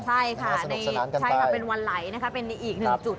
ใช่ค่ะใช่ค่ะเป็นวันไหลนะคะเป็นอีกหนึ่งจุด